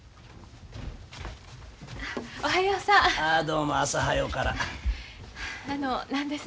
おはようさん。